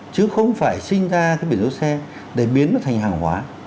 chứ không phải sinh ra cái biển số xe để biến nó thành hàng hóa